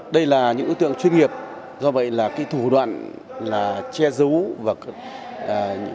đây là những đối tượng chuyên nghiệp do vậy là thủ đoạn che giấu